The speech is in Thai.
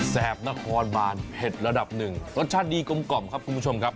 นครบานเผ็ดระดับหนึ่งรสชาติดีกลมกล่อมครับคุณผู้ชมครับ